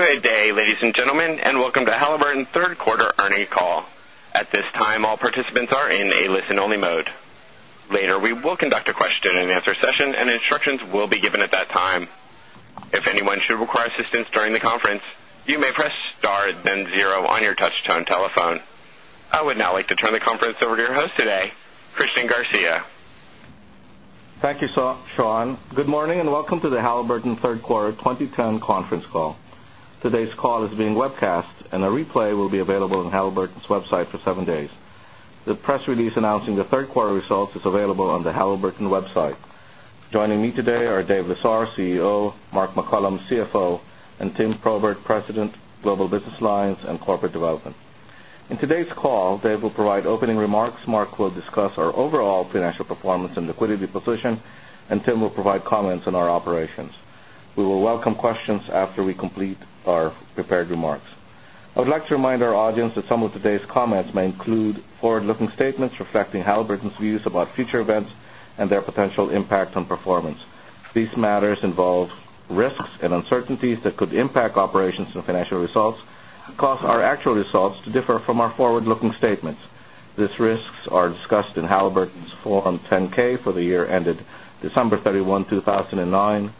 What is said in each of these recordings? Good day, ladies and gentlemen, and welcome to Halliburton Third Quarter Earnings Call. At this time, all participants are in a listen only mode. Later, we will conduct a question and answer session and instructions will be given at that time. I would now like to turn the conference over to your host today, Christian Garcia. Thank you, Sean. Good morning and welcome to the Halliburton Third Quarter 2010 Conference Call. Today's call is being webcast and a replay will be available on Halliburton's Web site for 7 days. The press release announcing the 3rd quarter results is available on the Halliburton Web site. Joining me today are Dave Lazar, CEO Mark McCollum, CFO and Tim Probert, President, Global Business Lines and Corporate Development. In today's call, Dave will provide opening remarks, Mark will discuss our overall financial performance and liquidity position and Tim will provide comments on our operations. We will welcome questions after we complete our prepared remarks. I would like to remind our audience that some of today's comments may include forward looking statements reflecting Halliburton's views about future events and their potential impact on performance. These matters involve risks and uncertainties that could impact operations and financial results and cause our actual results to differ from our forward looking statements. These risks are discussed in Halliburton's Form 10 ks for the year ended December 31, 2009,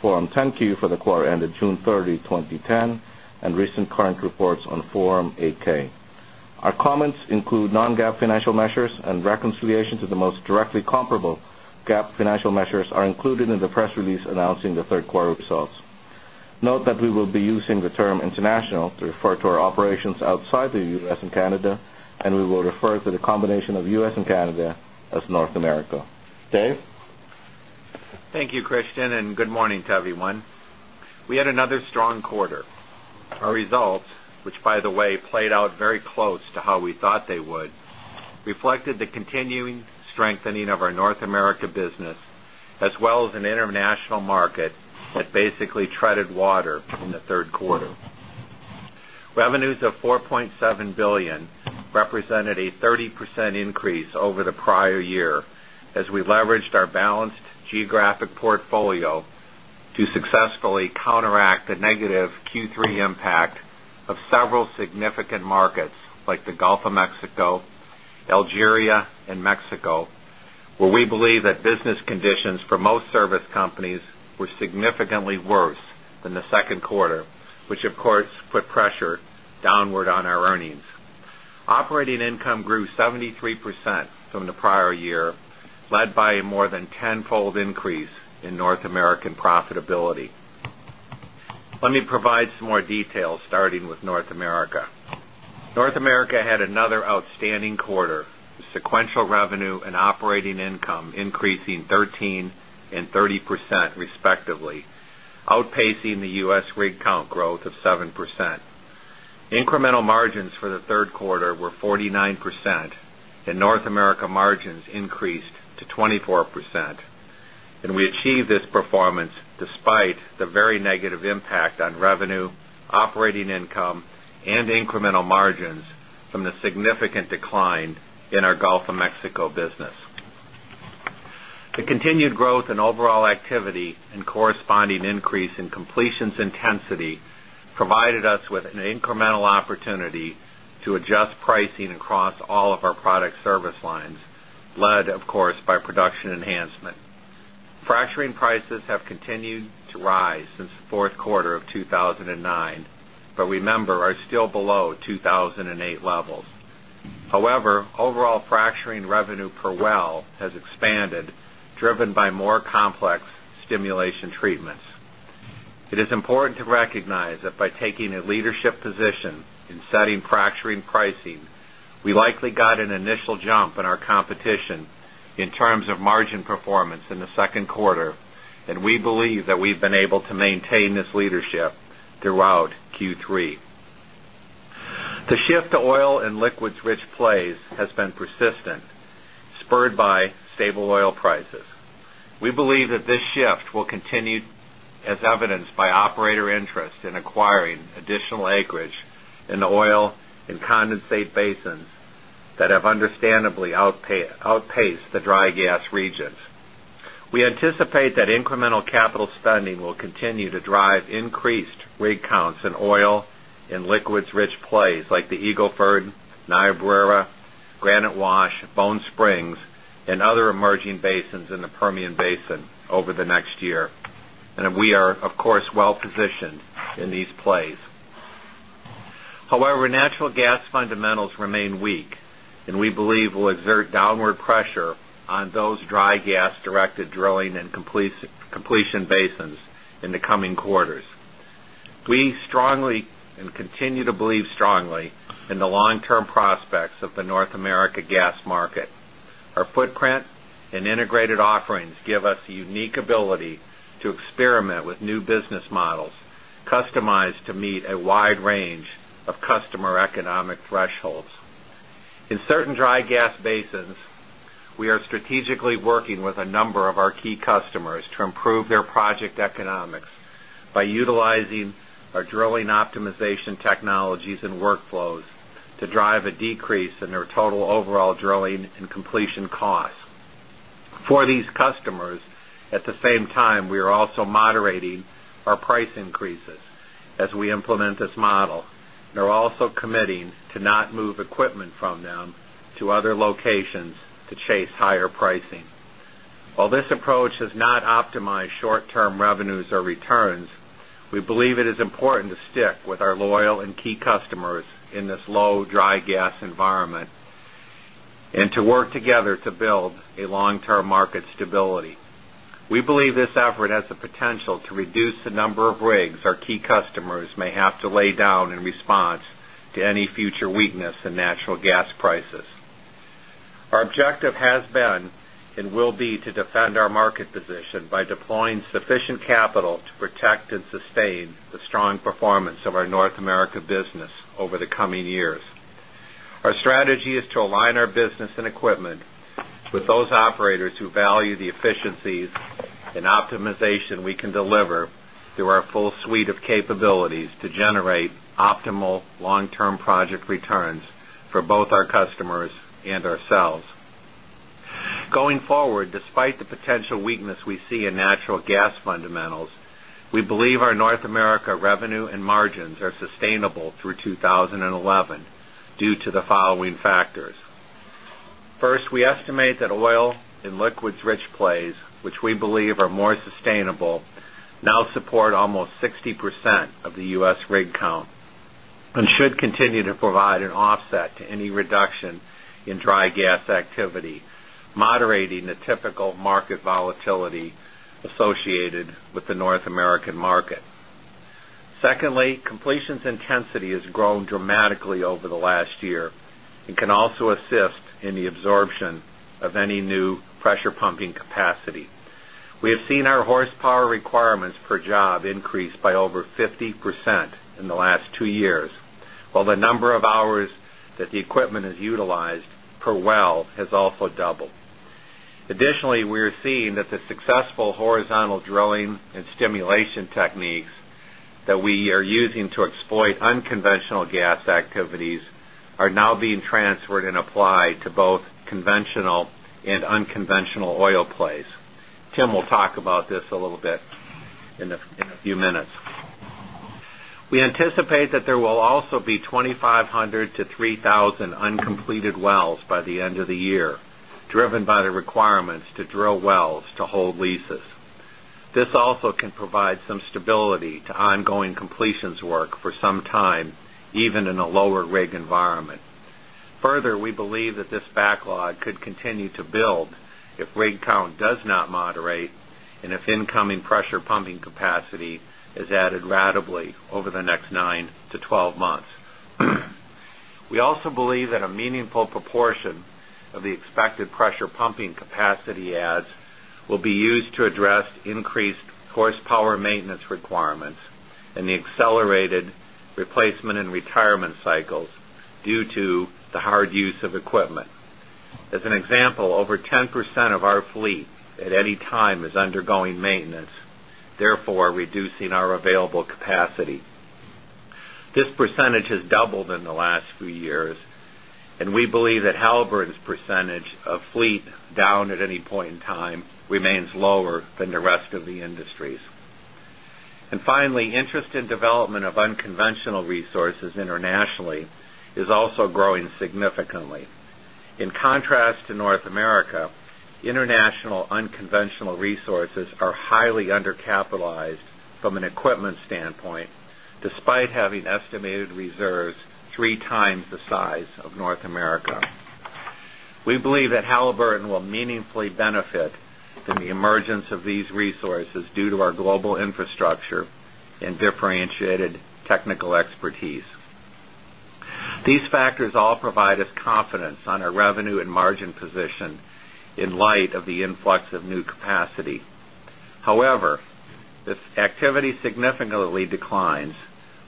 Form 10Q for the quarter ended June 30, 2010 and recent current reports on Form 8 ks. Our comments include non GAAP financial measures and reconciliation to the most directly comparable GAAP financial measures are included in the press release announcing the Q3 results. Note that we will be using the term international to refer to our operations outside the U. S. And Canada, and we will refer to the combination of U. S. And Canada as North America. Dave? Thank you, Christian, and good morning to everyone. We had another strong quarter. Our results, which by the way played out very close to how we thought they would, reflected the continuing strengthening of our North America business as well as an international market that basically treaded water in the 3rd quarter. Revenues of $4,700,000,000 represented a 30% increase over the prior year as we leveraged our balanced geographic portfolio to successfully counteract the negative Q3 impact of several significant markets like the Gulf of Mexico, Algeria and Mexico, where we believe that pressure downward on our earnings. Operating income grew 73% from the prior year led by more than 10 fold increase in North American profitability. Let me provide some more details starting with North America. North America had another outstanding quarter, sequential revenue and operating income increasing 13% 30% respectively outpacing the U. S. Rig count growth of 7%. Incremental margins for the Q3 were 49% and North America margins increased to 24% and we achieved this performance despite the very negative impact on revenue, operating overall activity and corresponding increase in completions intensity provided us with an incremental opportunity to adjust pricing fracturing revenue per well has expanded driven by more complex stimulation treatments. It is important to recognize that by taking a leadership position in setting fracturing pricing, we likely got an initial jump in our competition in terms of margin performance in shift to oil and liquids rich plays has been persistent spurred by stable oil prices. We We believe that this shift will continue as evidenced by operator interest in acquiring additional acreage in the oil and condensate basins that have understandably outpaced the dry gas regions. We anticipate that incremental capital spending will continue to drive increased rig counts in oil and liquids rich plays like the Eagle Ford, Niobrara, Granite Wash, Bone Springs and other emerging basins in the Permian Basin over the next year. And we are of course positioned in these plays. However, natural gas fundamentals remain weak and we believe will exert downward pressure on those dry gas directed drilling and completion basins in the coming quarters. We strongly and continue to believe of customer economic thresholds. In certain dry gas basins, we are strategically working with a number of our key customers to improve their project economics by utilizing our drilling optimization technologies and workflows to drive a decrease in their total overall drilling and completion costs. For these customers, at the same time, we are also moderating our price increases as we implement this model. They're also committing to not move equipment from them to other locations to chase higher pricing. While this approach has not optimized short term revenues or returns, we believe it is important to stick with our loyal and key customers in this low dry gas environment and to work together to build a long term market stability. We believe this effort has the potential to reduce the number of rigs our key customers may have to lay down in response to any future weakness in natural gas prices. Our objective has been and will be to defend our market position by deploying sufficient capital to protect and sustain the strong performance of our North America business over the coming years. Our strategy is to align our business and equipment with those operators who value the efficiencies and optimization we can deliver through our full suite of capabilities to generate optimal long term project returns for both our customers and ourselves. Going forward, despite the potential weakness we see in natural gas fundamentals, we believe our North America revenue and margins are sustainable through 2011 due to the following factors. First, we estimate that oil and liquids rich plays, which we believe are more sustainable, now support almost 60% of the U. S. Rig count and should continue to provide an offset to any reduction in dry gas activity, completions intensity has grown dramatically over the last year and can also assist in the absorption of any new pressure pumping capacity. We have seen our horsepower requirements per job increase by over 50% in the last 2 years, while the number of drilling and stimulation techniques that we are using to exploit unconventional gas activities are now being transferred and applied to both conventional and unconventional oil plays. Tim will talk about this a little bit in a few minutes. We anticipate that there will also be 2,500 to 3,000 uncompleted wells by the end of the year, driven by the requirements to drill wells to hold leases. This also can provide some stability to ongoing completions work for some time even in a lower rig environment. Further, we believe that this backlog could continue to build if rig count does not moderate and if incoming pressure pumping capacity is added ratably over the next 9 to 12 months. We also believe that a meaningful proportion of the expected pressure pumping capacity adds will be used to address use of equipment. As an example, over 10% of our fleet at any time is undergoing maintenance, therefore reducing our available capacity. This percentage has doubled in the last few years and we believe that Halliburton's percentage of fleet down at any point in time remains lower than the rest of the industries. And finally, interest in unconventional resources are highly undercapitalized from an equipment standpoint, despite having estimated factors all provide us confidence on our revenue and margin position in light of the influx of new capacity. However, this activity significantly declines.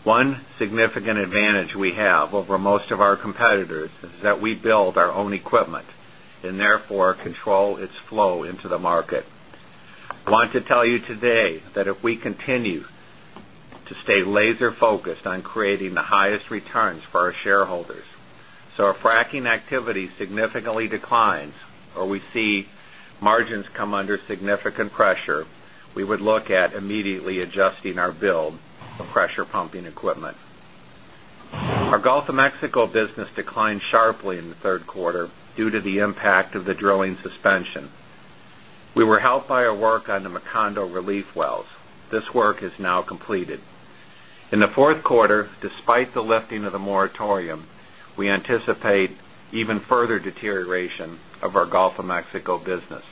One significant advantage we have over most of our competitors is that we build our own equipment and therefore control its flow into the market. I want to tell you today that if we continue to stay laser focused on creating the highest returns for our shareholders, so our fracking activity significantly equipment. Our Gulf of Mexico business declined sharply in the 3rd quarter due to the impact of the drilling Q4, despite the Q4, despite the lifting of the moratorium, we anticipate even further deterioration of our Gulf of Mexico business.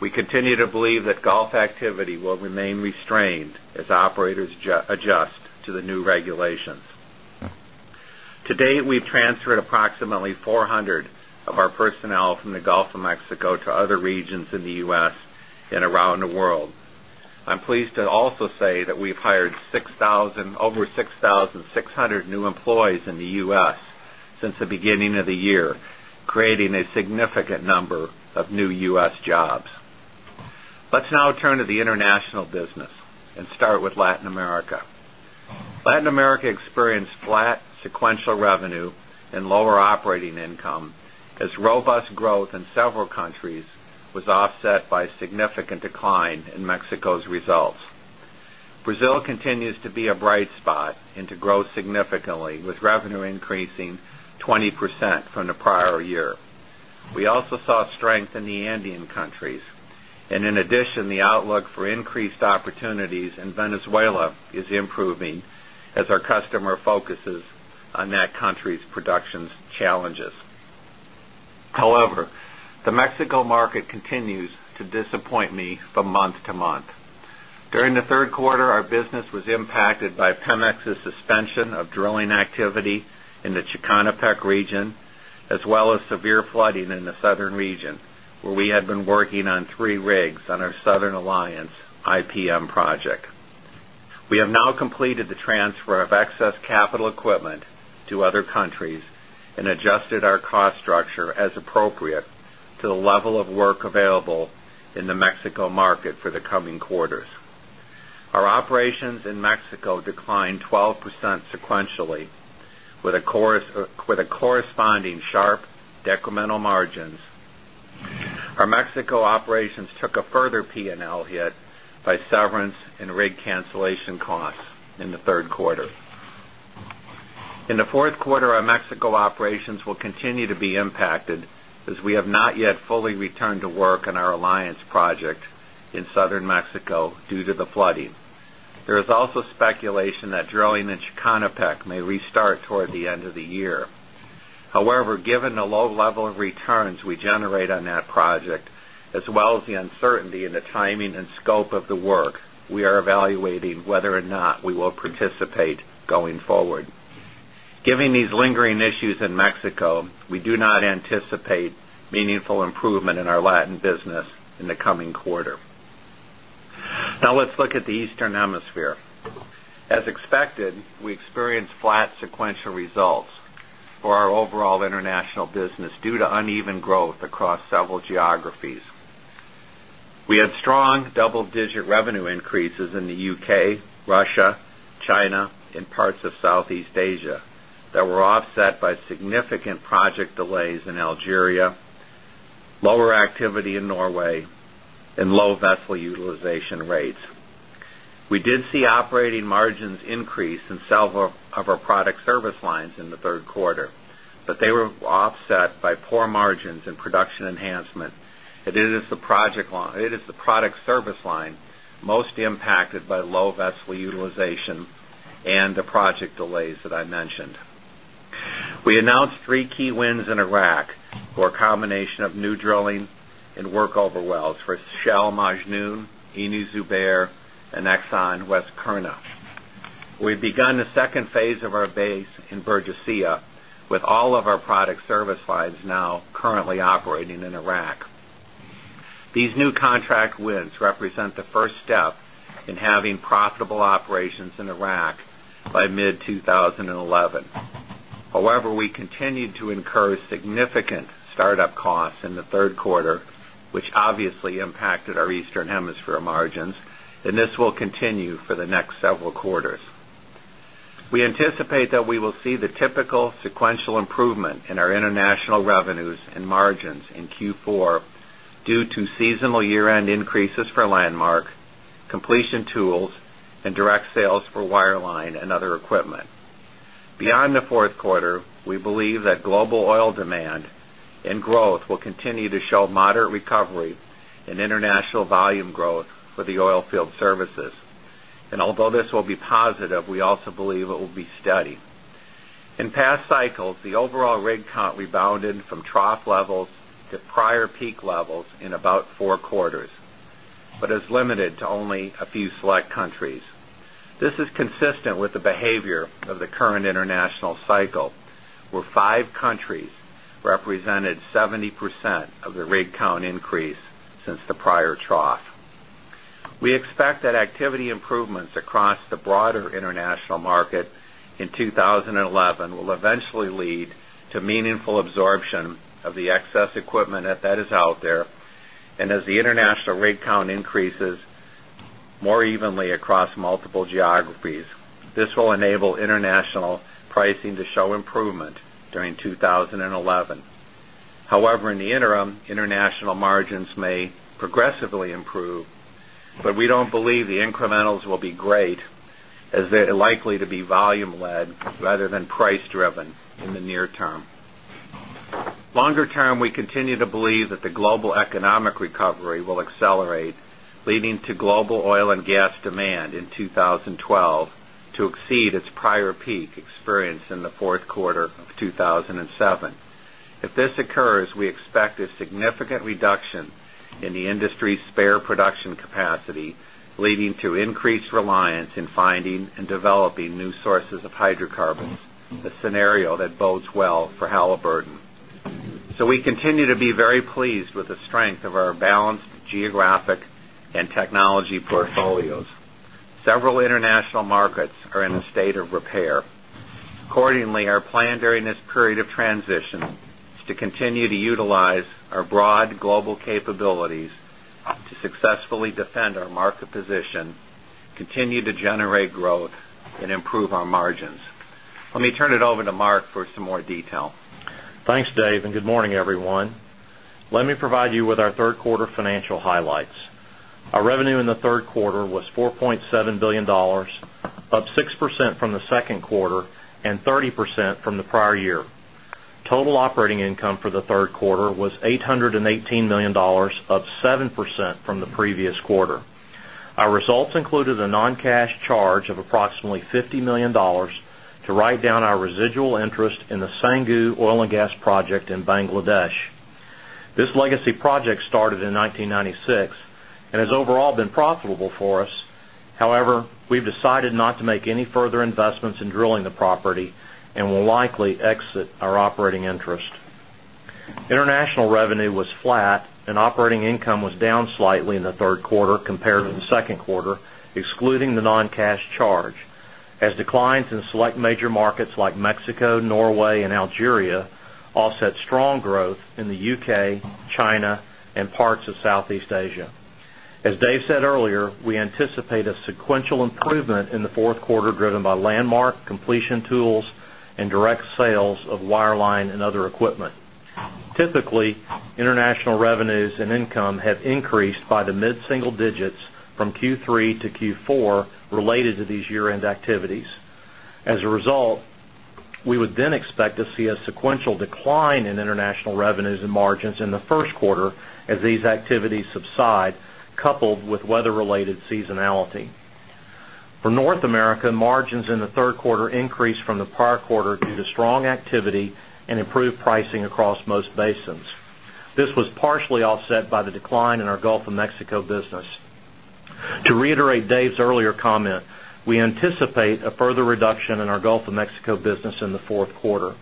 We continue to believe that golf activity will remain restrained as operators adjust to the new regulations. To date, we've transferred approximately 400 of our personnel from the Gulf of Mexico to other regions in the U. S. And around the world. I'm pleased to also say that we've hired over 6,600 new employees in the U. S. Since the beginning of the year creating a significant number of new U. S. Jobs. Let's now turn to the international business and start with Latin America. Latin America experienced flat sequential revenue and lower operating income as robust growth in several countries was offset by significant decline in Mexico's results. Brazil continues to be a bright spot and to grow significantly with revenue increasing 20% from the prior year. We also saw strength in the Andean countries. And in addition, the the month to month. During the Q3, our business was impacted by Pemex's suspension of drilling activity in the Chican OPEC region as well as severe flooding in the southern region where we had been working on 3 rigs on our Southern Alliance IPM project. We have now completed the transfer of excess capital equipment to other countries and adjusted our cost structure as appropriate to the level of work available in the Mexico market for the coming quarters. Our operations in Mexico declined 12% sequentially with a corresponding sharp decremental margins. Our Mexico operations took a further P and L hit by severance and rig cancellation costs in the 3rd quarter. In the Q4, our Mexico operations will continue to be impacted as we have not yet fully returned to work on our on in of the work we are evaluating whether or not we will participate going forward. Given these lingering issues in Mexico, we do anticipate meaningful improvement in our Latin business in the coming quarter. Now let's look at the Eastern Hemisphere. As expected, we experienced flat sequential results for our overall international business due to uneven growth across several geographies. We had strong double digit revenue increases in the UK, Russia, China and parts of Southeast Asia that were offset by significant project delays in Algeria, lower activity in Norway and low vessel utilization rates. We did see operating margins increase in several of our product service lines in the Q3, but they were offset by poor margins and production enhancement and it is the product service line most impacted by low vessel utilization and the project delays that I mentioned. We announced 3 key wins in Iraq for a combination of new drilling and work over wells for Shell Majnoon, Ini Zubair and Ex Exxon West Kurna. We've begun the 2nd phase of our base in Bergecilla with all of our product service lines now currently operating in Iraq. These new contract wins represent the first step in having profitable operations in Iraq by 2011. However, we continued to incur significant startup costs in the 3rd quarter, which obviously impacted our Eastern Hemisphere margins and this will continue for the next several quarters. We anticipate that we will see the typical sequential improvement in our international revenues and margins in Q4 due to seasonal year end increases for Landmark, completion tools and direct sales for wireline and other equipment. Beyond the 4th quarter, we services. And although this will be positive, we also believe it will be steady. In past cycles, the overall rig count rebounded from trough levels to prior peak levels in about 4 quarters, but is limited to only a few select countries. This is consistent with the behavior of market in 2011 will eventually lead to meaningful absorption of the excess equipment that is out there and as the international rig count increases more evenly across multiple geographies. This will enable international pricing to show improvement during 2011. However, in the interim, international margins may progressively improve, but we don't believe the incrementals will be great as they're likely to be volume led rather than price driven in the near term. Longer term, we continue to believe that the global economic recovery will accelerate leading to global oil and gas demand in 2012 to exceed its prior peak experience in the 4th quarter of 2,007. If this occurs, we expect a significant reduction in the industry's spare production capacity, leading to increased reliance in finding and developing new sources of hydrocarbons, a scenario that bodes well for Halliburton. Several international markets are in a state of repair. Accordingly, our plan during this period of transition is to continue to utilize you with our Q3 financial highlights. Our revenue in the 3rd quarter was $4,700,000,000 up 6% from the 2nd quarter and 30% from the prior year. Total operating income for the 3rd quarter was $818,000,000 up 7% from the previous quarter. Our results included a non cash charge of approximately $50,000,000 to write down our residual interest in the Sanggu oil and gas project in Bangladesh. This in drilling the property and will likely exit our operating interest. International revenue was flat and operating income was down slightly in the 3rd quarter compared to the 2nd quarter excluding the non cash charge as declines in in said earlier, we anticipate a sequential improvement in the 4th quarter driven by landmark completion tools and direct sales of wireline and other Typically, international revenues and income have increased by the mid single digits from Q3 to Q4 related to these year end activities. As a result, we would then expect to see a sequential decline in international revenues and margins in the Q1 as these activities subside coupled with weather related seasonality. For North America, margins in the Q3 increased from the prior quarter due to strong activity and improved pricing across most basins. This was partially offset by the decline in our Gulf of Mexico business. To reiterate Dave's earlier comment, we anticipate a further reduction in our Gulf of Mexico business in the Q4.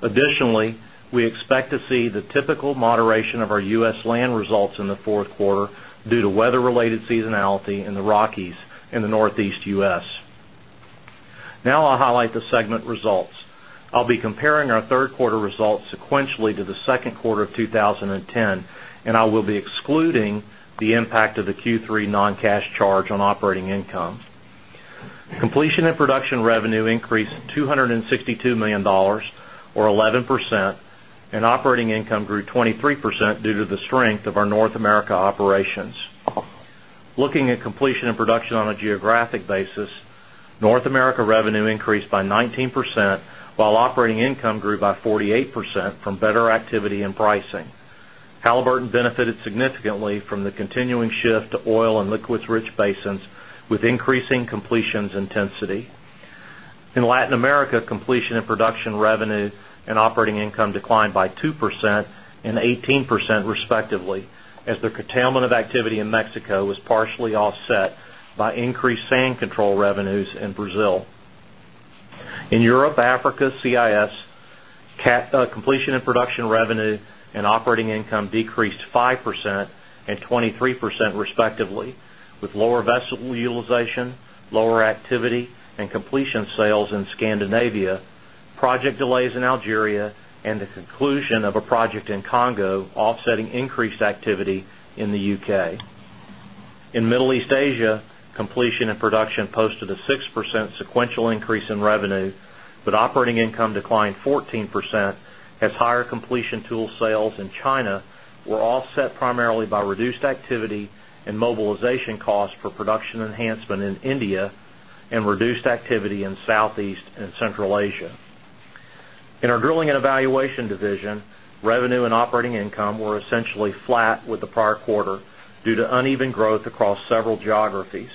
Additionally, we expect to see the typical moderation of our U. S. Land results in the 4th quarter due to weather related seasonality in the Rockies in the Northeast U. S. Now I'll highlight the segment results. I'll be comparing quarter results sequentially to the Q2 of 2010 and I will be excluding the impact of the Q3 non cash charge on operating income. Completion and production revenue increased $262,000,000 or 11% and operating income grew 23% due to the strength of our North America operations. Looking at completion and production on a geographic basis, North America revenue increased by 19%, while operating income grew by 48% from better activity and pricing. Halliburton benefited In of Africa, CIS, completion and production revenue and operating income decreased 5% and 23% respectively with lower vessel utilization, lower activity and completion sales in Scandinavia, project delays in Algeria and the conclusion of a project in Congo offsetting increased activity in the UK. In Middle East Asia, completion and production posted a 6% sequential increase in revenue, but operating income declined 14% as higher completion in India and reduced activity in Southeast and Central Asia. In our Drilling and Evaluation division, revenue and operating income were essentially flat with the prior quarter due to uneven growth across several geographies.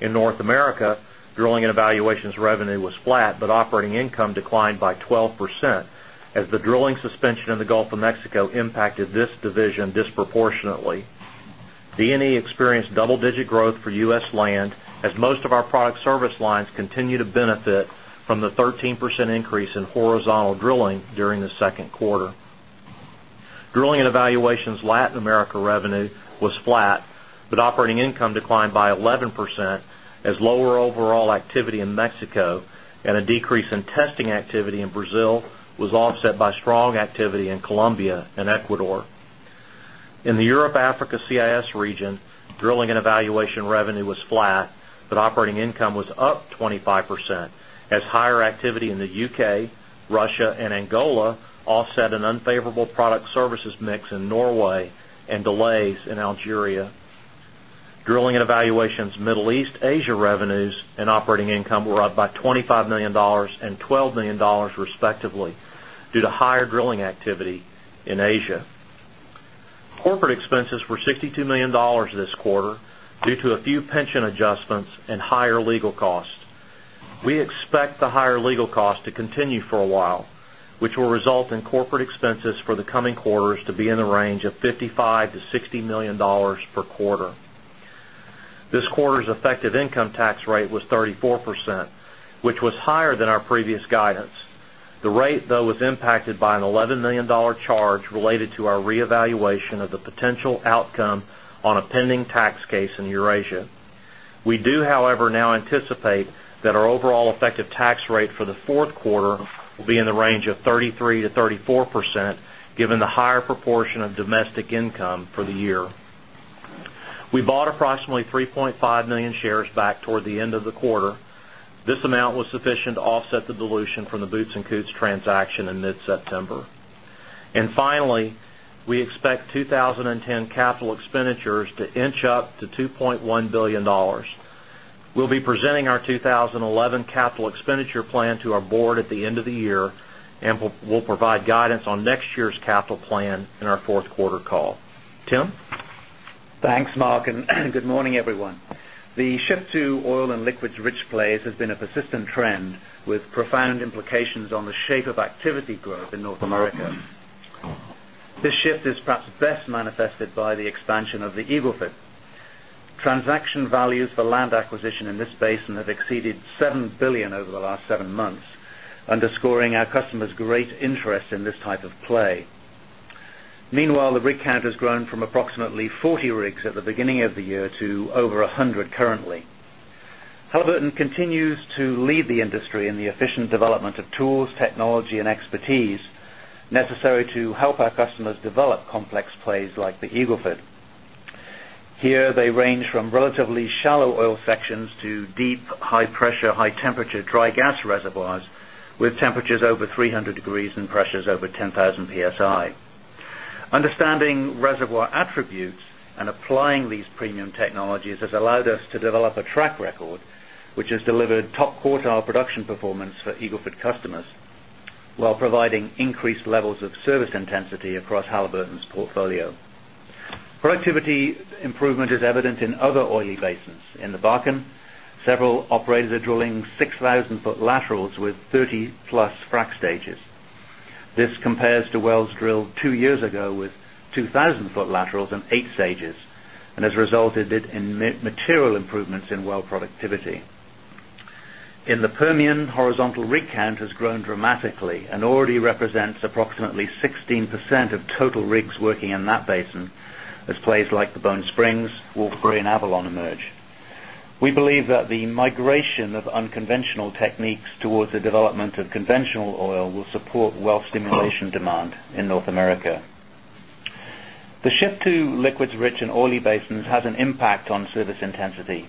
In North America, Drilling and Evaluation's revenue was flat, but operating income declined by 12% as the drilling suspension in the Gulf of Mexico impacted this division disproportionately. D and E experienced double digit growth for U. S. Land as most of our product service lines continue to benefit from the 13% increase drilling during the Q2. Drilling and Evaluation's Latin America revenue was flat, but operating income declined by 11% as lower overall activity in Mexico and a decrease in testing activity in Brazil was offset by strong activity in Colombia and Ecuador. In the Europe Africa CIS region, drilling and evaluation revenue was flat, but operating income was up 25% as higher activity in the UK, Russia and Angola offset an unfavorable product services mix in Norway and delays in Algeria. Drilling and Evaluation's Middle East, Asia revenues and operating income were up by 25 $1,000,000 $12,000,000 respectively due to higher drilling activity in Asia. Corporate expenses were $62,000,000 this quarter due to a few pension adjustments and higher legal costs. We expect the higher legal costs to continue for a while which will result in corporate expenses for the coming quarters to be in the range of $55,000,000 to $60,000,000 per quarter. This quarter's effective income tax rate was 34%, which was higher than our previous guidance. The rate though was impacted by an $11,000,000 charge related to our reevaluation of the potential outcome on a pending tax case in Eurasia. We do, however, now anticipate that our overall effective tax rate for the 4th quarter will be in the range of 33% to 34% given the higher proportion of domestic income for the year. We bought approximately 3,500,000 shares back toward the end of the quarter. This amount was sufficient to offset the dilution the Boots and Coots transaction in mid September. And finally, we expect 20.10 capital expenditures to inch up to 2,100,000,000 dollars We'll be presenting our 2011 capital expenditure plan to our Board at the end of the year and we'll provide guidance on next year's plan in our Q4 call. Tim? Thanks, Mark, and good morning, everyone. The shift to oil and liquids rich plays has been a persistent trend with profound implications on the shape of activity growth in North America. This shift is perhaps best manifested by the expansion of the Eagle Ford. Transaction values for land acquisition in this basin have exceeded 7,000,000,000 over the last 7 months, underscoring our customers' great interest in this type of play. Meanwhile, the rig count has grown from approximately 40 rigs at the beginning of the year to over 100 currently. Halliburton continues to lead the industry in the efficient development of tools, technology and expertise necessary to help our customers develop complex plays like the Eagle Ford. Here they range from PSI. Understanding reservoir attributes and applying these premium technologies has allowed us to develop a track record, which has delivered top quartile production performance for Eagle Ford customers, while providing increased levels of service intensity basins. In the Bakken, several operators are drilling 6,000 foot laterals with 30 plus frac stages. This compares to wells drilled 2 years ago with 2,000 foot laterals and 8 stages and has resulted in material improvements in well productivity. In the Permian, horizontal rig count like the like the Bone Springs, Wolfberry and Avalon emerge. We believe that the migration of unconventional techniques towards the development of conventional oil will support well stimulation demand in North America. The shift to liquids rich and oily basins has an impact on service intensity.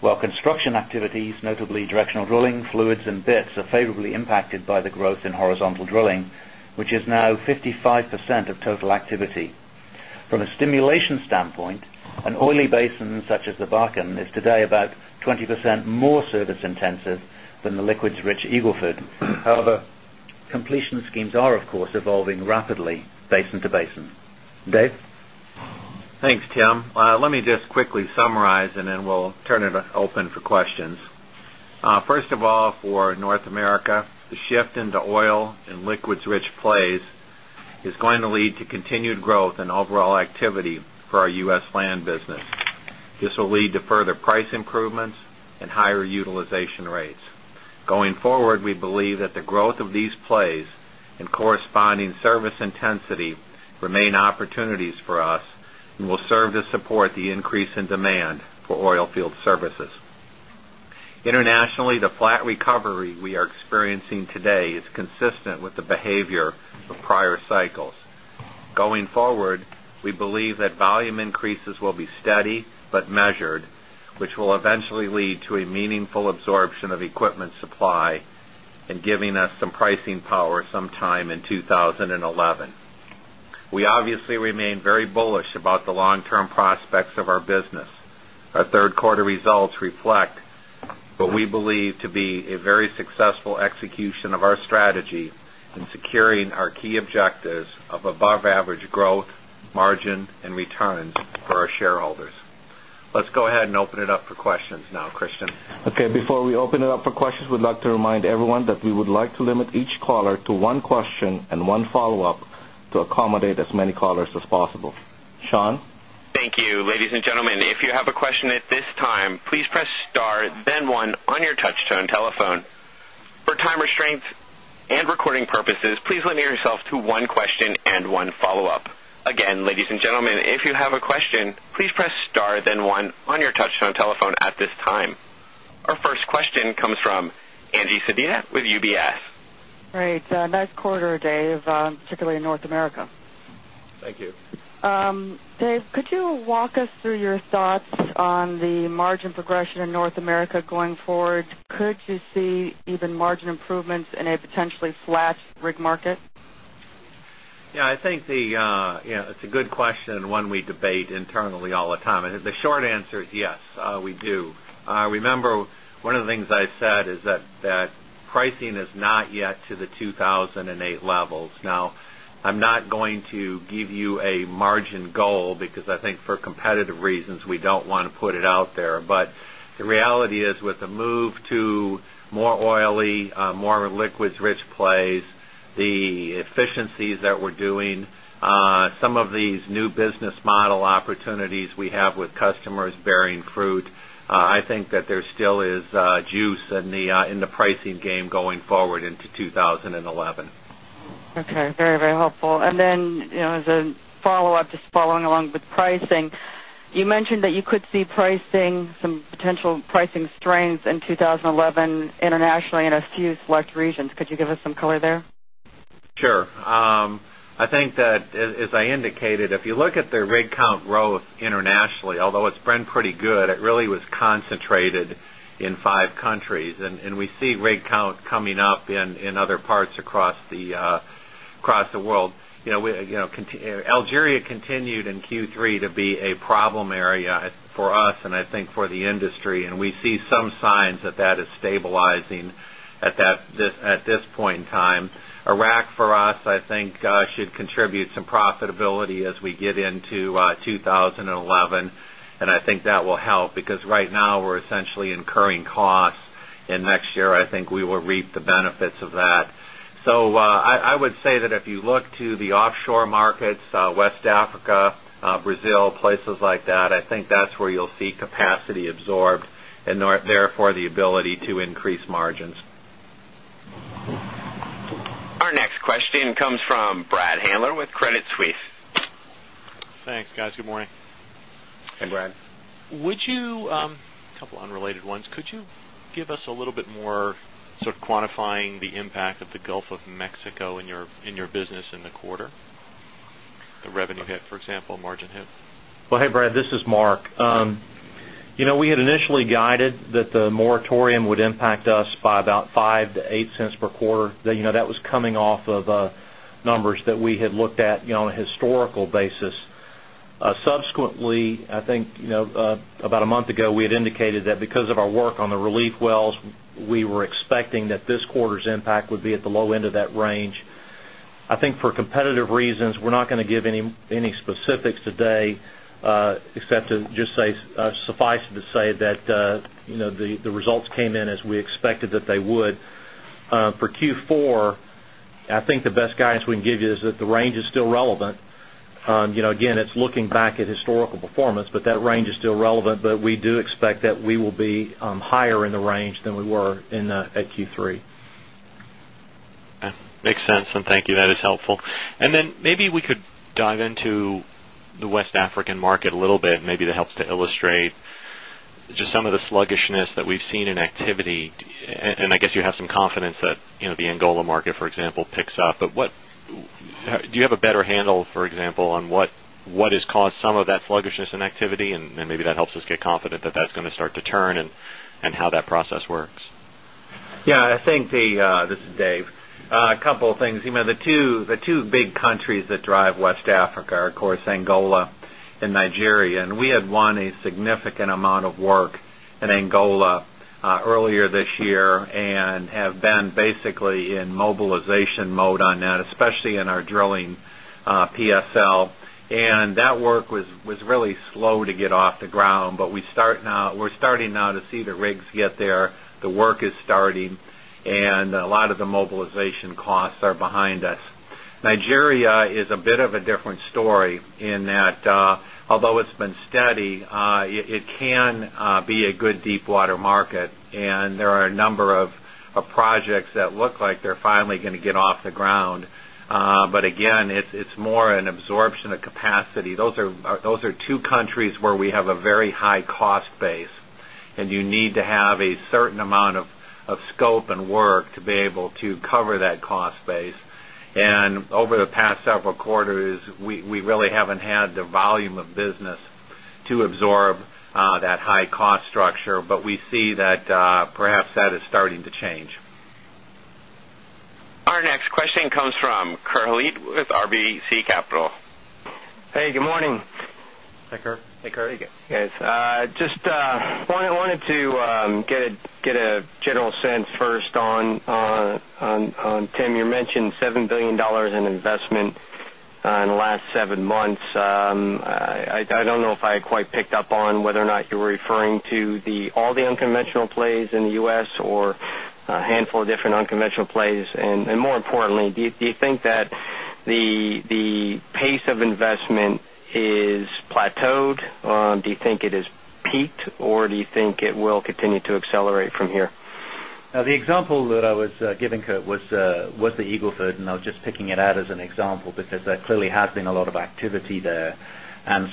While construction activities notably directional drilling fluids and bits are favorably impacted by the growth in horizontal drilling, which is now 55 percent of total activity. From a stimulation standpoint, an oily basin such as the Bakken is today about 20% more service intensive than the liquids rich Eagle Ford. However, completion schemes are of course evolving rapidly basin to basin. Dave? Thanks, Tim. Let me just quickly summarize and then we'll turn it open for questions. America, the shift into oil and liquids rich plays is going to lead to continued growth and overall activity for our U. S. Land business. This will lead to further price improvements and higher utilization rates. Going forward, we believe that the growth of these plays and corresponding service intensity remain opportunities for us and will serve to support the the consistent with the behavior of prior cycles. Going forward, we believe that volume increases will be steady, but measured, which will eventually lead to a meaningful absorption of equipment supply and giving us some Our and open it up for questions now, Christian. Okay. Before we open it up for questions, we'd like to remind everyone that we would like to limit each caller to one question and one follow-up to accommodate as many callers as possible. Sean? Thank you. Our first question comes from Angie Sedina with UBS. Great. Nice quarter, Dave, particularly in North America. Thank you. Dave, could you walk us through your thoughts on the margin progression in North America going forward? Could you see even margin improvements in a potentially flat rig market? Yes, I think the it's a good question and one we debate internally all the time. And the short answer is yes, we Remember, one of the things I said is that pricing is not yet to the 2,008 levels. Now, I'm not going to give you a margin goal because I think for competitive reasons, we don't want to put it out there. But the reality is with the move to more oily, more liquids rich plays, the efficiencies that we're doing, some of these new business model opportunities we have with customers bearing fruit. I think that there still is juice in the pricing game going forward into 2011. Okay. Very, very helpful. And then as a follow-up, just following along with pricing, you mentioned that you could see pricing, some potential pricing strains in 20 11 internationally in a few growth internationally, although it's been pretty good, it really was concentrated in across the across the world. Algeria continued in Q3 to be a problem area for us and I think for the industry and we see some signs that that is stabilizing at this point in time. Iraq for us I think should contribute some profitability as we get into 2011 and I think that will help because right now we're essentially incurring costs in next year. I think we will reap the benefits of that. So I would say that if you look to the offshore markets, West Africa, Brazil, places like that, I think that's where you'll see capacity absorbed and therefore the ability to increase margins. Our next question comes from Brad Handler with Credit Suisse. Thanks guys. Good morning. Hey Brad. Would you Could you give us a little bit more sort of quantifying the impact of the Gulf of Mexico in your business in the quarter, the revenue hit, example margin hit? Well, hey Brad, this is Mark. We had initially guided that the moratorium would impact us by about $0.05 to $0.08 per quarter. That was coming off of numbers that we had looked at on a historical basis. Subsequently, I think about a month ago, we had indicated that because of our work on the relief wells, we were expecting that this quarter's impact be at the low end of that range. I think for competitive reasons, we're not going to give any specifics today except to just say suffice it to say that the results came in as we expected that they would. For Q4, I think the best guidance we can give you is that the range is still relevant. Again, it's looking back at historical performance, but that range is still relevant. But we do expect that we will be higher in the range than we were in Q3. Makes sense. And thank you. That is helpful. And then maybe we could dive into the West African market a little bit, maybe that helps to illustrate just some of the sluggishness that we've seen in activity. And I guess you have some confidence that the Angola market for example picks up. But what do you have a better handle for example on what has caused some of that sluggishness in activity and maybe that helps us get confident that that's going to start to turn and how that process works? Yes, I think the this is Dave. A couple of things, the 2 big countries that drive West Africa are of course Angola and Nigeria and we had won a significant amount of work in Angola earlier this year and have been basically in mobilization mode on that, especially in our drilling PSL. And that work was really slow to get off the ground, but we're starting now to see the rigs get there. The work is starting and a lot of the mobilization costs are behind us. Nigeria is a bit of a different story in that although it's been But again, it's more an absorption of capacity. Those are those are the But again, it's more an absorption of capacity. Those are 2 countries where we have a very high cost base and you need to a certain amount of scope and work to be able to cover that cost base. And over the past several quarters, we really haven't had the volume of business to absorb that high cost structure, but we see that perhaps that is starting to change. Our next question comes from Kurt Hallead with RBC Capital. Hey, good morning. Hi, Kurt. Hey, Kurt. Just wanted to get a general sense first on Tim, you mentioned $7,000,000,000 in investment in the last 7 months. I don't know if I had quite picked up on whether or not you were referring to the all the unconventional plays in the U. S. Or a handful of different unconventional plays? And more importantly, do you think that the pace of investment is plateaued? Do you think it is peaked or do you think it will continue to accelerate from here? The example that I was giving Kurt was the Eagle Ford and I was just picking it out as an example because there clearly has been a lot of activity there.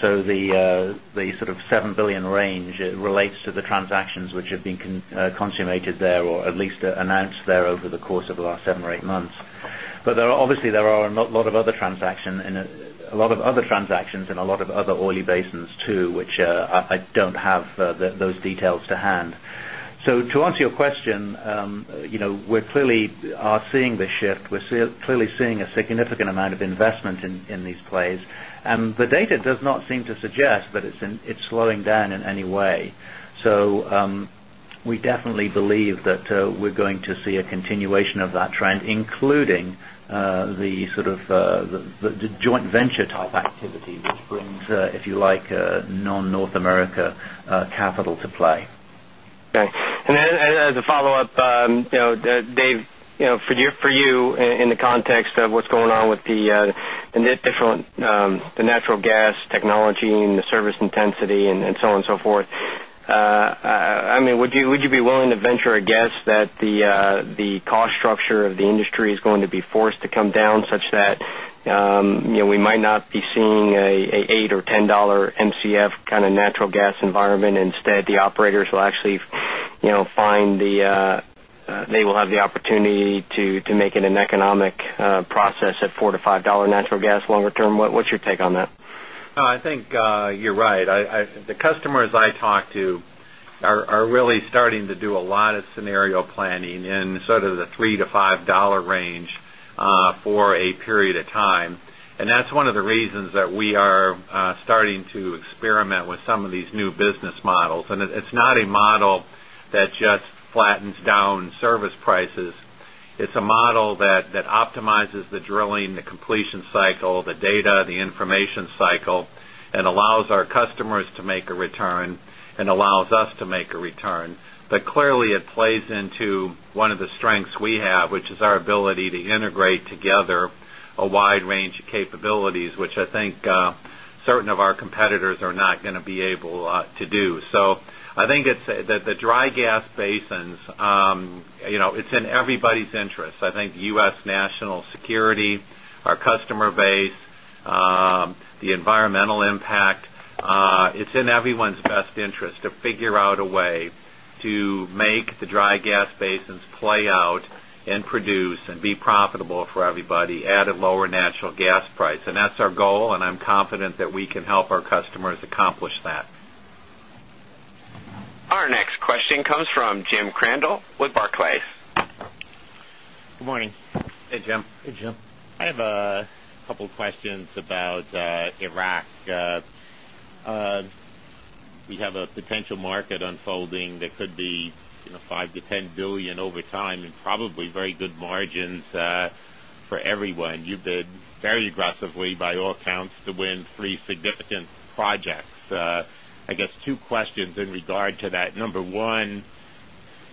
So the sort of €7,000,000,000 range relates to the transactions which have been consummated there or at least announced there over the course of the last 7 or 8 months. But there are obviously, there are a lot of other transactions in a lot of other oily basins too, which I don't have those details to hand. So to answer your question, we clearly are seeing the shift. We're clearly seeing a significant amount of investment in these plays. And the data does not seem to suggest that it's slowing down in any way. So we definitely believe that we're going to see a continuation of that trend, including the joint venture type activity which brings if you like non North America capital to play. Okay. And then as a follow-up, Dave, for you in the context of what's going on with the different the natural gas technology and the service intensity and so on and so forth. I mean, would you be willing to venture a guess that the cost structure of the industry is going to be forced to come down such that we might not be seeing a $8 or $10 Mcf natural gas environment. Instead, the operators will actually find the they will have the opportunity to make an economic process at $4 to $5 natural gas longer term. What's your take on that? I think you're right. The customers I talk to are really starting to do a lot of scenario planning in sort of the $3 to $5 range for a period of time. And that's one of the reasons that we are starting to experiment with some of these new business models. And it's not a model that just flattens down service prices. It's a model that wide range of capabilities, which I think certain of our competitors are not going to be able to do. So I think it's that the dry gas basins, it's in everybody's interest. I think U. S. National Security, our customer base, the environmental impact, it's in everyone's best interest to figure out a way to make the dry gas basins play out and produce and be profitable for everybody at a lower natural gas price. And that's our goal and I'm confident that we can help our customers Jim. Hey, Jim. Hey, Jim. I have a couple of questions about Iraq. We have a potential market unfolding that could be $5,000,000,000 to $10,000,000,000 over time and probably very good margins for everyone. You've bid very aggressively by all accounts to win 3 significant projects. I guess two questions in regard to that. Number 1,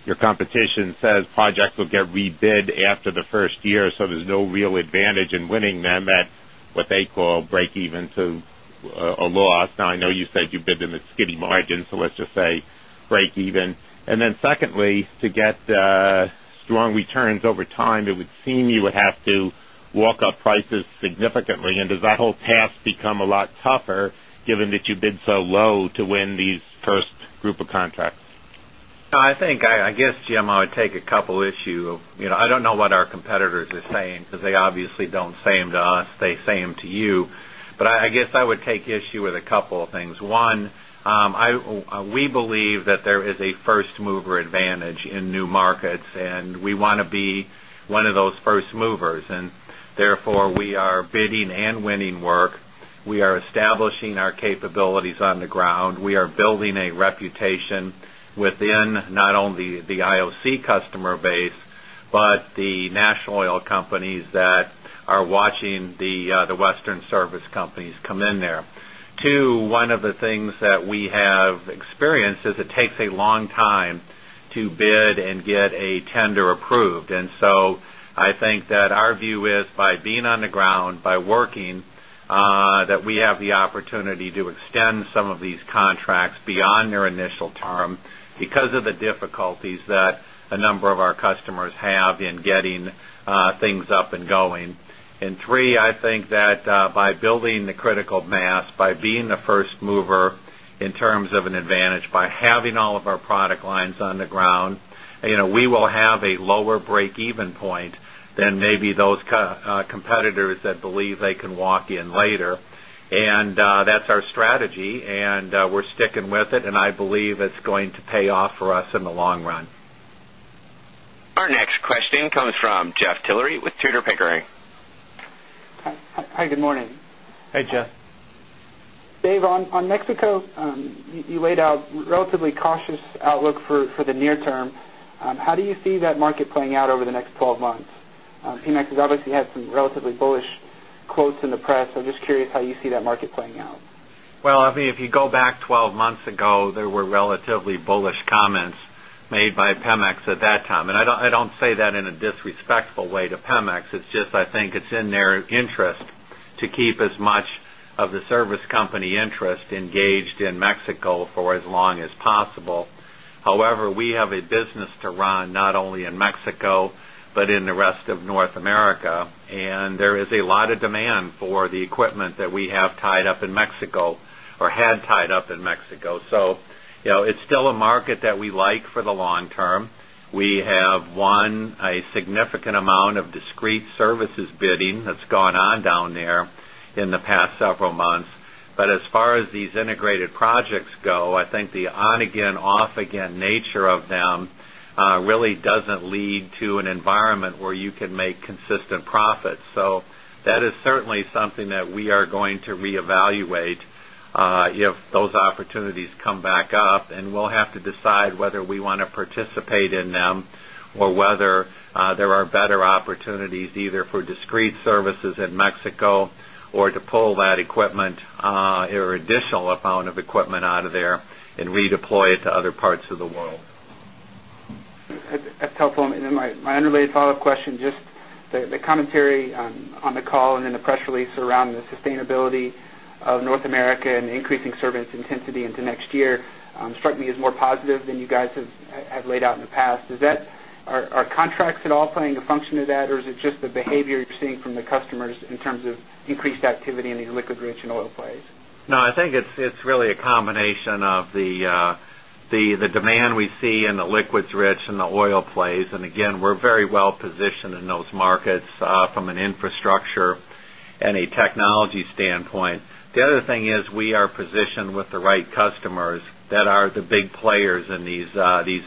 your competition says projects will get rebid after the 1st year, so there's no real advantage in winning them at what they call breakeven to a loss. Now I know you said you've been in the skinny margin, so let's just say breakeven. And then secondly, to get strong returns over time, it would seem you would have to walk up prices significantly and does that whole path become a lot tougher given that you bid so low to win these first group of contracts? No, I guess, Jim, I would take a couple of issue. I don't know what our competitors are saying because they obviously don't say them to us, they say them to you. But I guess I would take issue with a couple of things. 1, we believe that there is a first mover advantage in new markets and we want to be one of those first movers and therefore we are bidding and winning work. We are establishing our capabilities on the ground. We are building a reputation within not only the IOC customer base, but the national oil companies that are watching the Western service companies come in there. 2, one of the things that we have experienced is it takes a long time to bid and get a tender approved. And so I think that our view is by being on the ground, by working that we have the opportunity to things up and going. And 3, I think that by building the critical mass, by being the 1st mover in terms of an advantage by having all of our product lines on the ground. We will have a lower breakeven point than maybe those competitors that believe they can walk in later. And that's our strategy and we're sticking with it and I believe it's going to pay off for us in the long run. Our next question comes from Jeff Tillery with Tudor Pickering. Hi, good morning. Hi, Jeff. Dave, on had some relatively bullish quotes in the press. I'm just curious how you see that market playing out? Well, I mean, if you go back 12 months ago, there were relatively bullish comments made by Pemex at that time. And I don't say that in a disrespectful way to Pemex. It's just I think it's in their interest to keep as much the service company interest engaged in Mexico for as long as possible. However, we have a business to run not only in Mexico, but in the rest of North America. And there is a lot of demand for the equipment that we have tied up in Mexico or had tied up in Mexico. So it's still a market that we like for the long term. We have won a significant amount of discrete services bidding that's gone on down there in the past several months. But as far as these integrated projects go, I think the on again off again nature of them really doesn't lead to an environment where you can make consistent profits. That is certainly something that we are going to reevaluate if those opportunities come back up and we'll have to decide whether we want to participate in them or whether there are better opportunities either for discrete services in Mexico or to that equipment or additional amount of equipment out of there and redeploy it to other parts of the world. That's helpful. And then my unrelated follow-up question, just the commentary on the call and in the press release around the sustainability of North America and increasing service intensity into next year struck me as more positive than you guys have laid out in the past. Are contracts at all playing a function of that or is it just the behavior you're seeing from the customers in terms of increased activity in these liquid rich and oil plays? No, I think it's really a combination of the demand we see in the liquids rich and the oil plays. And again, we're very well positioned in those markets from an infrastructure and a technology standpoint. The other thing is we are positioned with the right customers that are the big players in these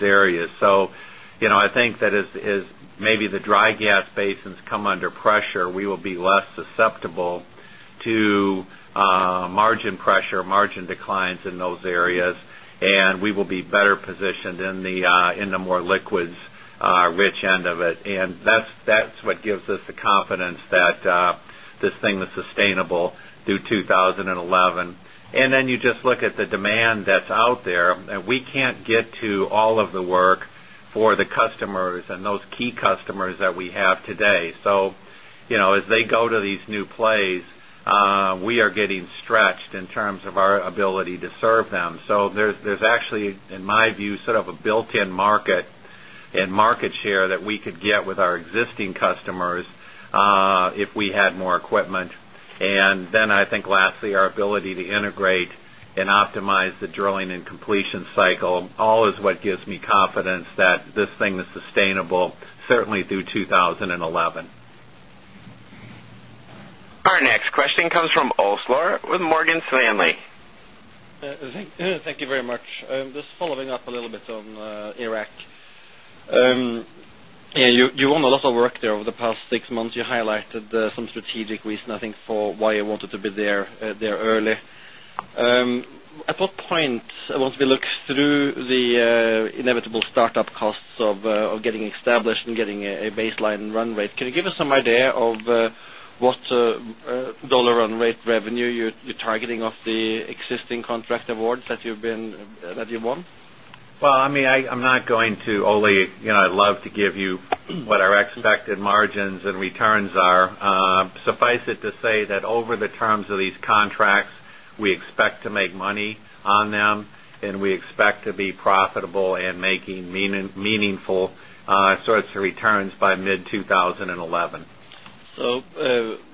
areas. So I think that is maybe the dry gas basins come under pressure, we will be less susceptible to margin pressure, margin declines in those areas and we will be better positioned in the more liquids rich end of it. And that's what gives us the customers and those key customers that we of the work for the customers and those key customers that we have today. So as they go to these new plays, we are getting stretched customers if we had more equipment and customers if we had more equipment. And then I think lastly, our ability to integrate and optimize the drilling and completion cycle, all is what gives me confidence that this thing is sustainable certainly through 2011. Our next question comes from Oslauer with Morgan Stanley. Thank you very much. Just following up a little bit on Iraq. You won a lot of work there over the past 6 months. You highlighted some strategic reason, I think, for why you wanted to be there early. At what point, once we look through the inevitable start up costs of getting established and getting a baseline run rate, can you give us some idea of what dollar run rate revenue you're targeting off the existing contract awards that you've been that you won? Well, I mean, I'm not going to Oli, I'd love to give you what our we expect to be profitable and making meaningful sorts of returns by mid-twenty 11. So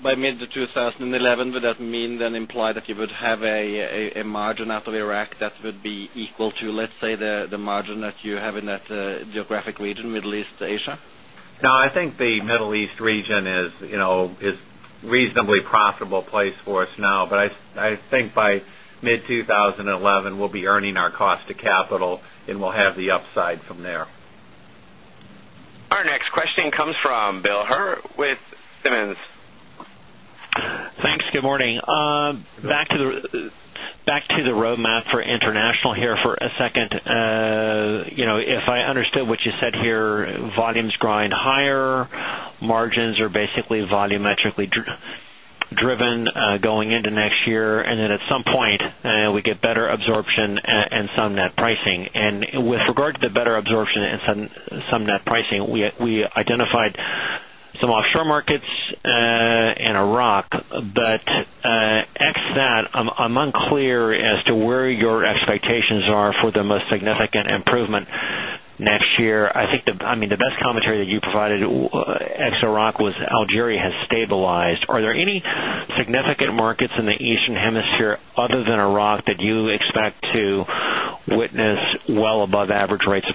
by mid to 2011, would that mean then imply that you would have a margin out of Iraq that would be equal to, let's say, the margin that you have in that geographic region, Middle East, Asia? No, I think the Middle East region, 11, we'll be earning our cost of capital and we'll have the upside to the 11 we'll be earning our cost of capital and we'll have the upside from there. Our next question comes from Bill here for a second. If I understood what you said here, volumes grind higher, margins are basically volume metrically driven going into next year and then at some point we get better absorption and some net pricing. And with regard to the better absorption and some net pricing, we identified some offshore markets in Iraq, but ex that I'm unclear as to where your expectations are for the most significant improvement next year. I think the I mean the best commentary that you provided ex Iraq was Algeria has stabilized. Are there any of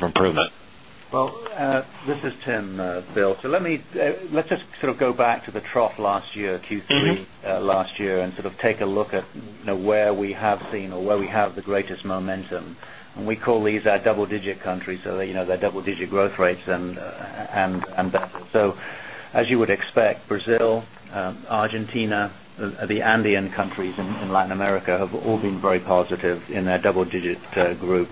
improvement? Well, this is Tim, Bill. So let me let's just sort of go back to the trough last year, Q3 last year and sort of take a look at where we have seen or where we have the greatest momentum. And we call these our double digit countries, so they're double digit growth rates and better. So as you would expect, Brazil, Argentina, the Andean countries in Latin America have all been very positive in their double digit group.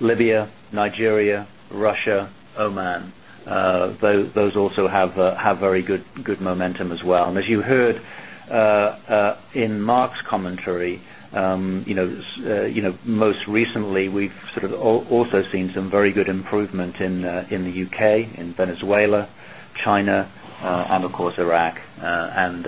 Libya, Nigeria, Russia, Oman, those also have very good momentum as well. And as you heard in Mark's commentary, most recently, we've sort of also seen some very good improvement in the UK, in Venezuela, China and of course Iraq and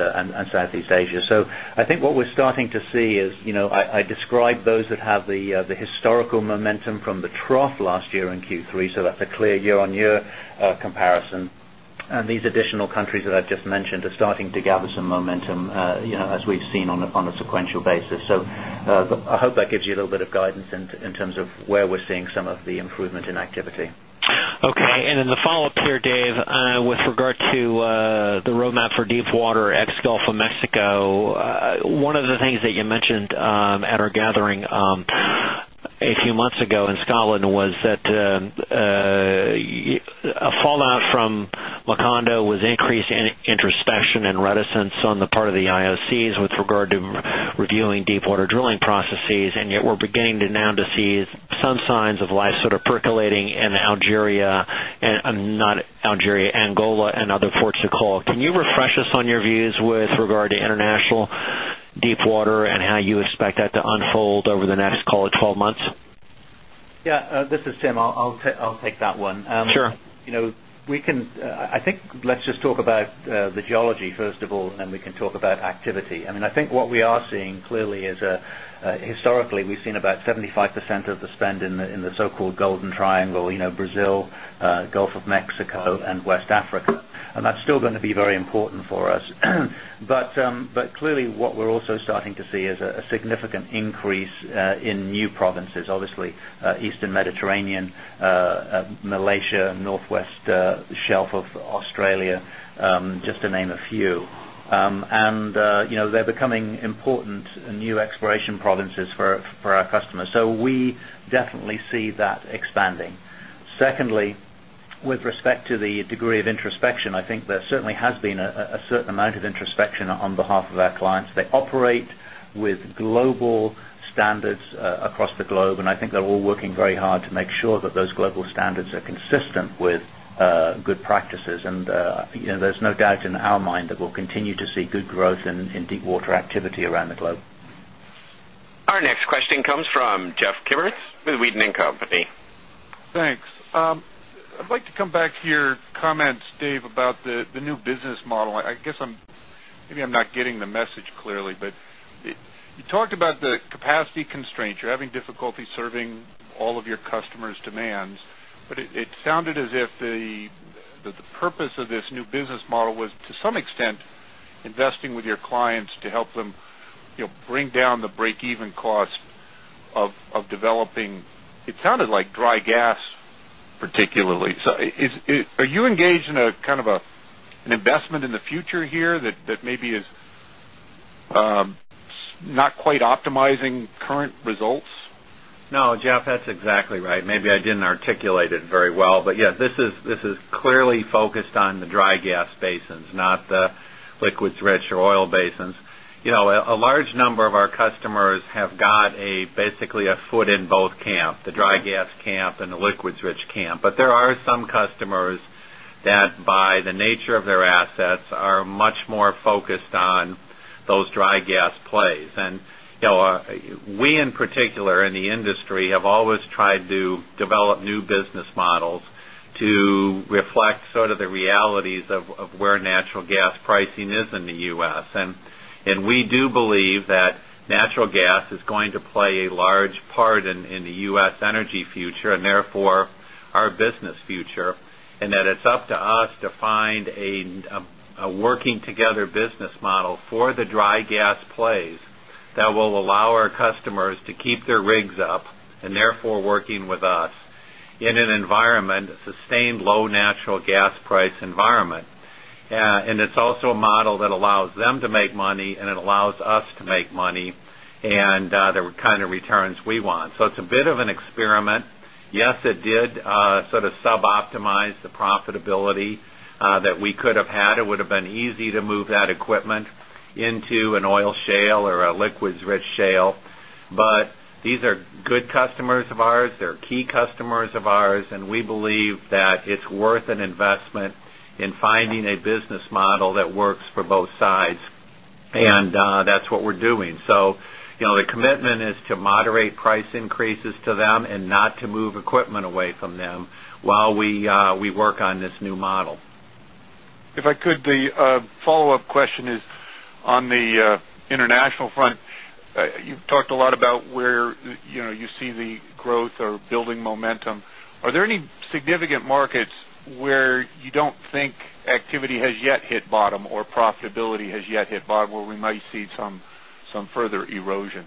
Southeast Asia. So I think what we're starting to see is I described those that have the historical momentum from the trough last year in Q3, so that's a clear year on year comparison. And these additional countries that I've just mentioned are starting to gather some momentum as we've seen on a sequential basis. So I hope that gives you a little bit of guidance in terms of where we're seeing some of the improvement in activity. Okay. And then the follow-up here Dave with regard to the roadmap for deepwater ex Gulf of Mexico. One of the things that you mentioned at gathering a few months ago in Scotland was that a fallout from Wakanda was increased introspection and reticence on the part of the IOCs with regard to reviewing deepwater drilling processes and yet we're beginning to to see some signs of life sort of percolating in Algeria not Algeria, Angola and other ports of call. Can you refresh us on your views with regard to international deepwater and how you expect that to unfold over the next call it 12 months? Yes. This is Tim. I'll take that one. Sure. We can I think let's just talk about the geology, first of all, and then we can talk about activity? I mean, I think what we are seeing clearly is historically, we've seen about 75% of the spend in the so called Golden Triangle, Brazil, Gulf of Mexico and West Africa. And that's still going to be very important for us. But clearly, what we're also starting to see is a significant increase in new provinces, obviously Eastern Mediterranean, Malaysia, North West Shelf of Australia, just to name a few. And they're becoming important new exploration provinces for our customers. So we definitely see that expanding. Secondly, with respect to the degree of introspection, introspection, I think there certainly has been a certain amount of introspection on behalf of our clients. They operate with global standards across the globe, and I think they're all working very hard to make sure that those global standards are consistent with good practices. And there's no doubt in our mind that we'll continue to see good growth in deepwater activity around the globe. Our next question comes from Jeff Kiberts with Weeden and Co. Thanks. I'd like to come back to your comments, Dave, about the new business model. I guess, maybe I'm not getting the message clearly, but you talked about the capacity constraints, you're having difficulty serving all of your customers' demands, but it sounded as if the purpose of this new business model was to some extent investing with your clients to help them bring down the breakeven cost of developing, it sounded like dry gas particularly. So are you engaged in an investment in the future here that maybe is not quite optimizing current results? No, Jeff, that's exactly right. Maybe I didn't articulate it very well. But yes, this is clearly focused on the dry gas basins, not the liquids, rich or basins. A large number of our customers have got a basically a foot in both camp, the dry gas gas plays. And we in particular in the industry have always tried to develop new business models to reflect sort of the realities of where natural gas pricing is in the U. S. And we do believe that natural gas is going to play a large part in the U. S. Energy future and therefore our business future and that it's up to us to find a working together business model for the dry gas plays that will allow our customers to keep their up and therefore working with us in an environment sustained low natural gas price environment. And it's also a model that allows them to make money and it allows us to make money and there were kind of returns we want. So it's a bit of an experiment. Yes, did sort of sub optimize the profitability that we could have had. It would have been easy to move that equipment into an oil shale or a liquids rich shale. But these are good customers of ours. They're key customers of ours and we believe that it's worth an investment in finding a business model that works for both sides. And that's what we're doing. So the commitment is to moderate price increases to them and not to move equipment away from them while we work on this new model. If I could, the follow-up question is on the international front. You've talked a lot about where you see the growth or building momentum. Are there any significant markets where you don't think activity has yet hit bottom or profitability has yet hit bottom where we might see some further erosion?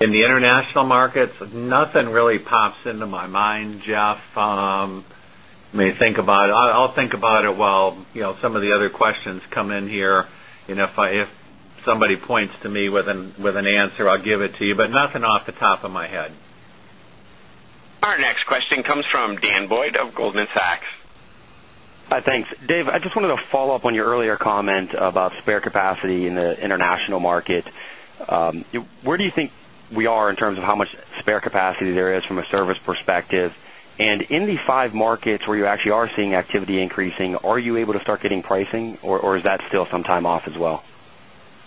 In other questions come in here. If somebody points to me with an answer, I'll give it to you, but nothing off the top of my head. Our next question comes from Dan Boyd of Goldman Sachs. Hi, thanks. Dave, I just wanted to follow-up on your earlier comment about spare well?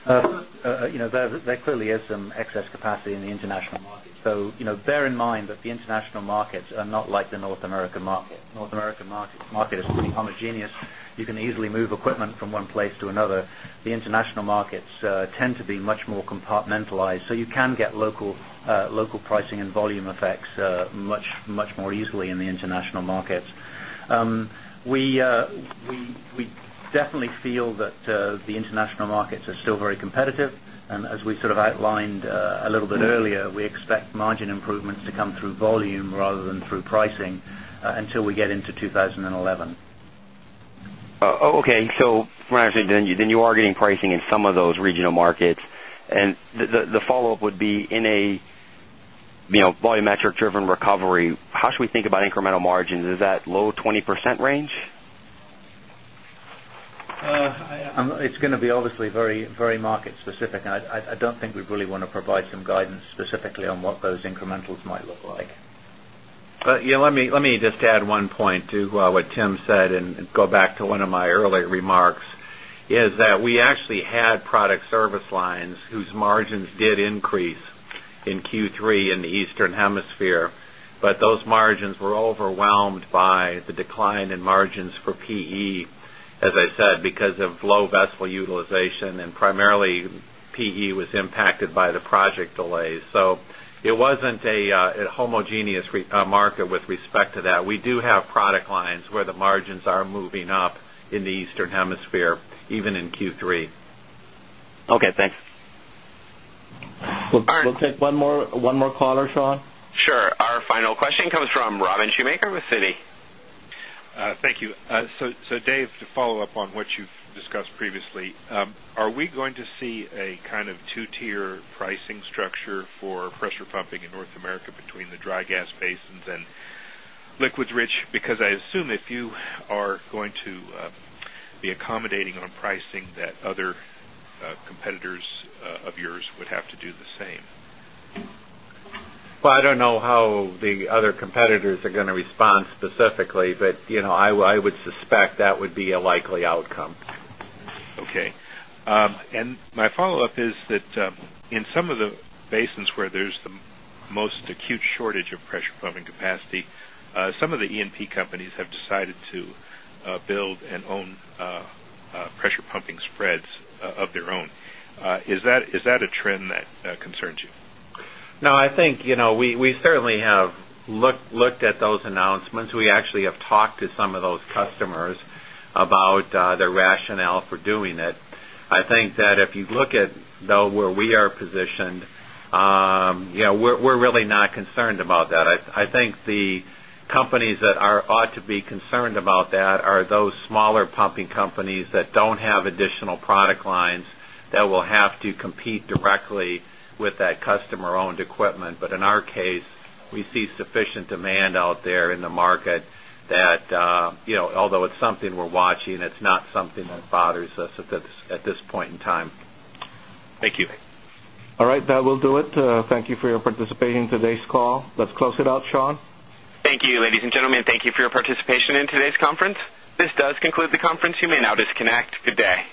There clearly is some excess capacity in the international market. So bear in mind that the international markets are not like the North America market. North America market is pretty homogeneous. You can easily move equipment from one place to another. The international markets tend to be much more compartmentalized. So you can get local pricing and volume effects much more easily in the international markets. We definitely feel that the international markets are still very competitive. And as we sort of outlined a little bit earlier, we expect margin improvements to come through volume rather than through pricing until we get into 2011. Okay. So then you are getting pricing in some of those regional markets. And the follow-up would be in a volumetric driven recovery, how should we think about incremental margins? Is that low 20% range? It's going to be obviously very market specific. I don't think we really want to provide some guidance specifically on what those incrementals might look like. Let me just add one point to what Tim said and go back to one of my earlier remarks is that we actually had product service lines whose margins did increase in Q3 in the Eastern Hemisphere, but those margins were overwhelmed by the decline in margins for PE, as I said, because of low vessel utilization and primarily PE was impacted by the moving up in the Eastern Hemisphere even in Q3. Okay, thanks. We'll take one more caller, Sean. Sure. Our final question comes from Robin Shoemaker with Citi. Thank you. So Dave to follow-up on what you've discussed previously, are we going to see a kind of 2 tier pricing structure for pressure pumping in North America between the dry gas basins and liquids rich? Because I assume if you are going to be accommodating on pricing that other I would suspect that would be a likely outcome. Okay. I would suspect that would be a likely outcome. Okay. And my follow-up is that in some of the basins where there's the most acute shortage of pressure pumping capacity, some of the E and P companies have decided to build and own pressure pumping spreads of their own. Is that a trend that concerns you? No, I think we certainly have looked at those announcements. We actually have talked to some of those customers about their rationale for doing it. I think that if you look at though where we are positioned, we're really not concerned about that. I think the companies that are ought to be concerned about that are those smaller pumping companies that don't have additional product lines that will have to compete directly with that customer owned equipment. But in our case, we see sufficient although it's something we're watching, it's not something that bothers us at this point in time. Thank you. All right. That will do it. Thank you for your participation in today's call. Let's close it out, Sean. Thank you, ladies and gentlemen. Thank you for participation in today's conference. This does conclude the conference. You may now disconnect. Good day.